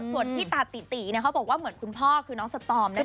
ส่วนพี่ตาติเขาบอกว่าเหมือนคุณพ่อคือน้องสตอมนั่นเอง